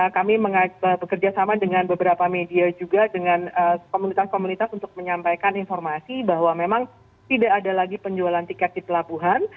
kami bekerja sama dengan beberapa media juga dengan komunitas komunitas untuk menyampaikan informasi bahwa memang tidak ada lagi penjualan tiket di pelabuhan